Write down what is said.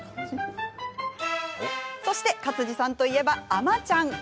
そして、勝地さんといえば「あまちゃん」。